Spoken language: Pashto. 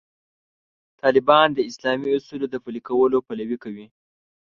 طالبان د اسلامي اصولو د پلي کولو پلوي کوي.